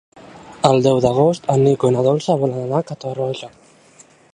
El deu d'agost en Nico i na Dolça volen anar a Catarroja.